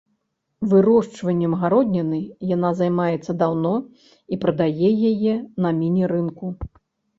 Вырошчваннем гародніны яна займаецца даўно і прадае яе на міні-рынку.